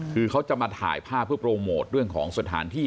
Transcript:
คือเขาจะมาถ่ายภาพเพื่อโปรโมทเรื่องของสถานที่